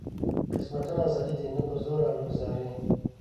قسمتونه ازلي دي نه په زور او نه په زارۍ.